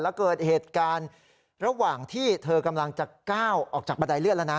แล้วเกิดเหตุการณ์ระหว่างที่เธอกำลังจะก้าวออกจากบันไดเลื่อนแล้วนะ